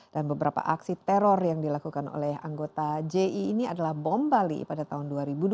dan beberapa aksi teror yang dilakukan oleh anggota ji ini adalah bom bali pada tahun dua ribu dua